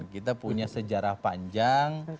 kita punya sejarah panjang